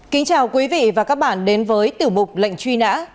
kính chào quý vị và các bạn đến với tiểu mục lệnh truy nã